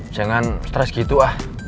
jangan stres gitu ah